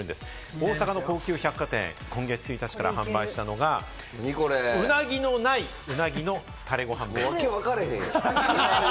大阪の高級百貨店、今月１日から販売したのが「うなぎのないうなぎのたれごはん弁当」。